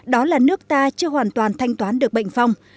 đó là nước ta chưa hoàn toàn thanh toán được bệnh phong